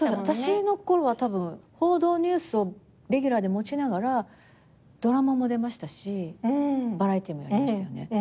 私のころはたぶん報道ニュースをレギュラーで持ちながらドラマも出ましたしバラエティーもやりましたよね。